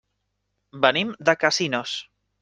Venim de Casinos.